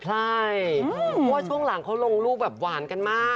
ใช่เพราะว่าช่วงหลังเขาลงรูปแบบหวานกันมาก